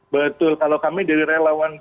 betul kalau kami dari relawan